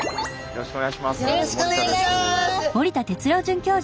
よろしくお願いします。